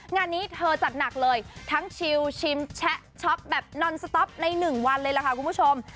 งานนี้เธอจัดหนักเลยทั้งชิลชิมแชะช็อปแบบนอนสต๊อปใน๑วันเลยล่ะค่ะคุณผู้ชม